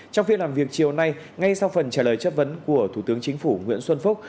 trong phiên làm việc chiều nay ngay sau phần trả lời chất vấn của thủ tướng chính phủ nguyễn xuân phúc